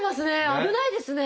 危ないですね。